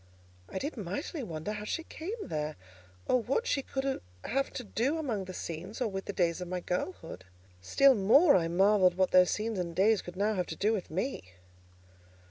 I did mightily wonder how she came there, or what she could have to do among the scenes, or with the days of my girlhood. Still more I marvelled what those scenes and days could now have to do with me.